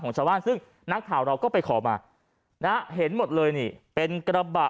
ชาวบ้านซึ่งนักข่าวเราก็ไปขอมานะเห็นหมดเลยนี่เป็นกระบะ